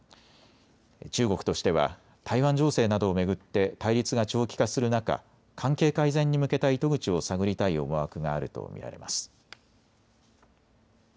中国としては台湾情勢などを巡って対立が長期化する中、関係改善に向けた糸口を探りたい思惑があると見られます。